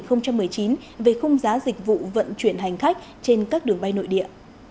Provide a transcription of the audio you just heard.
thông tin số một mươi bảy hai nghìn một mươi chín về không giá dịch vụ vận chuyển hành khách trên các đường bay nội địa